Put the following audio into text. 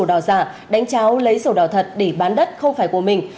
sổ đảo giả đánh cháo lấy sổ đảo thật để bán đất không phải của mình